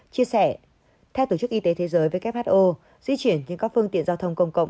chia sẻ theo tổ chức y tế thế giới who di chuyển trên các phương tiện giao thông công cộng